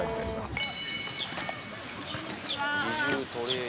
あっこんにちは！